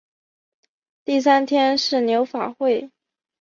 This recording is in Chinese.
第三天是牛法会。